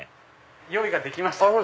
用意ができました。